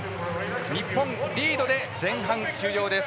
日本リードで前半終了です。